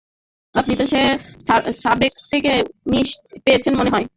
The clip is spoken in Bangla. আপনি তো সে সবের থেকে নিষ্কৃতি পেয়েছেন মনে হয়।